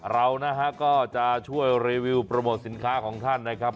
เรานะฮะก็จะช่วยรีวิวโปรโมทสินค้าของท่านนะครับ